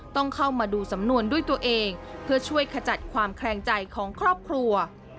ต้องเข้ามาดูสำนวนด้วยตัวเองเพื่อช่วยขจัดความแคลงใจของครอบครัว